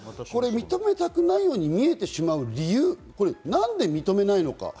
認めたくないように見えてしまう理由、何で認めないのか。